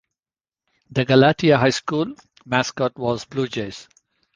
The Galatia High School mascot was Bluejays.